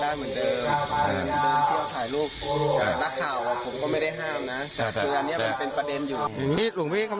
นักข่าวผมก็ไม่ได้ห้ามนะแต่คืออันนี้มันเป็นประเด็นอยู่